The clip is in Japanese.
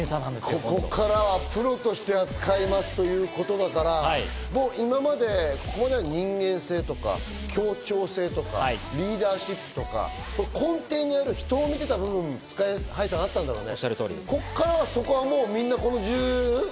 ここからはプロとして扱いますということだから、今まで人間性とか協調性とかリーダーシップとか、根底にある人を見てた部分がＳＫＹ−ＨＩさん、あったんだろうね。